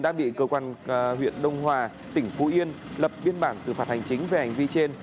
đã bị cơ quan huyện đông hòa tỉnh phú yên lập biên bản xử phạt hành chính về hành vi trên